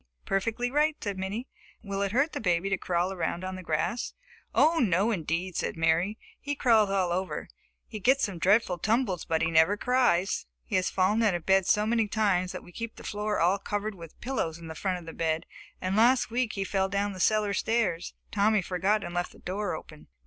"Perfectly right," said Minnie. "Will it hurt the baby to crawl around on the grass?" "Oh, no, indeed," said Mary. "He crawls all over. He gets some dreadful tumbles but he never cries. He has fallen out of bed so many times that we keep the floor all covered with pillows in front of the bed, and last week he fell down the cellar stairs. Tommy forgot and left the door open."